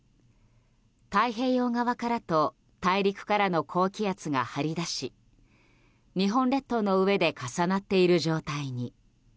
太平洋側からと大陸からの高気圧が張り出し日本列島の上で重なっている状態に。